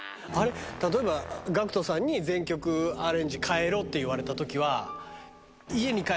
例えばＧＡＣＫＴさんに全曲アレンジ変えろって言われたときは。